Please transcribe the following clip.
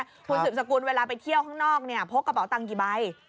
คุณสืบสกุลเวลาไปเที่ยวข้างนอกเนี่ยพกกระเป๋าตังค์กี่ใบ